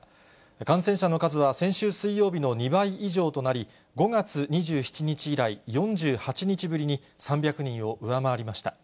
感染者の数は先週水曜日の２倍以上となり、５月２７日以来、４８日ぶりに３００人を上回りました。